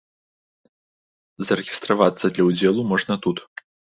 Зарэгістравацца для ўдзелу можна тут.